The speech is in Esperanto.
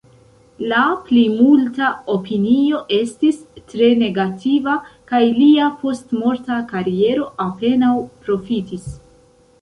La plimulta opinio estis tre negativa, kaj lia postmorta kariero apenaŭ profitis.